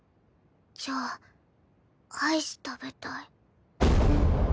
じゃあアイス食べたい。